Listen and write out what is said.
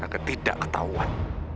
agar tidak ketahuan